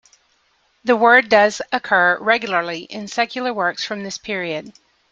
The word does occur regularly in secular works from this period.